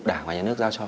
đảng và nhà nước giao cho